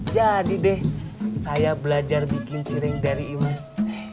jadi deh saya belajar bikin cireng dari imas